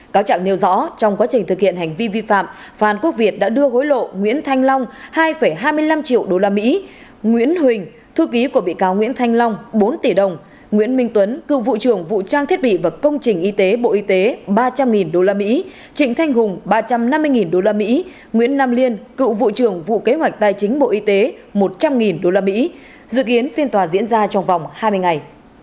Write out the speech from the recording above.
cáo trạng nêu rõ trong quá trình thực hiện hành vi vi phạm phan quốc việt đã đưa gối lộ nguyễn thanh long hai hai mươi năm triệu đô la mỹ nguyễn huỳnh thư ký của bị cáo nguyễn thanh long bốn tỷ đồng nguyễn minh tuấn cựu vụ trưởng vụ trang thiết bị và công trình y tế bộ y tế ba trăm linh đô la mỹ trịnh thanh hùng ba trăm năm mươi đô la mỹ nguyễn nam liên cựu vụ trưởng vụ kế hoạch tài chính bộ y tế một trăm linh đô la mỹ dự kiến phiên tòa diễn ra trong vòng hai mươi ngày